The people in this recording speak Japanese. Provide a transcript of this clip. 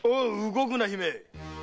動くな姫！